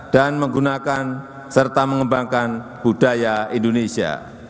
dan menggunakan serta mengembangkan budaya indonesia